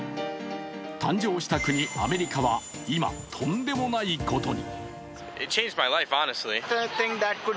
誕生した国、アメリカは今、とんでもないことに。